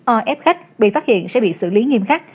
o ép khách bị phát hiện sẽ bị xử lý nghiêm khắc